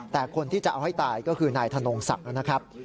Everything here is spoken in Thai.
แต่คนที่จะเอาให้ตายก็คือนายธนงศักดิ์นะครับ